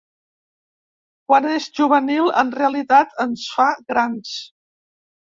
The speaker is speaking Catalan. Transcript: Quan és juvenil, en realitat ens fa grans.